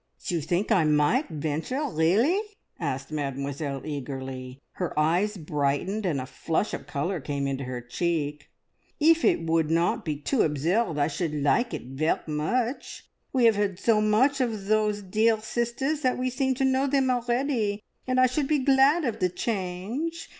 "You think I might venture really?" asked Mademoiselle eagerly. Her eyes brightened, and a flush of colour came into her cheek. "If it would not be too absurd, I should like it ver' much! We have heard so much of those dear sisters that we seem to know them already, and I should be glad of the change.